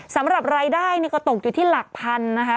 สำหรับรายได้ก็ตกอยู่ที่หลักพันธุ์